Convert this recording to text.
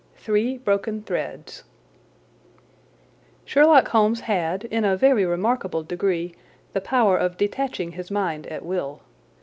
Three Broken Threads Sherlock Holmes had, in a very remarkable degree, the power of detaching his mind at will.